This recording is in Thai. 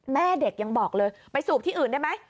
แม่เด็กยังบอกเลยไปสูบที่อื่นได้ไหม